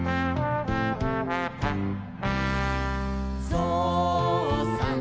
「ぞうさん